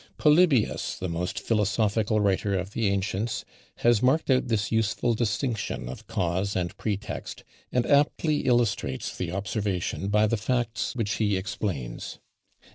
Polybius, the most philosophical writer of the ancients, has marked out this useful distinction of cause and pretext, and aptly illustrates the observation by the facts which he explains.